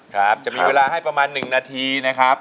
ครับจะมีเวลาให้ประมาณ๑นาทีนะครับ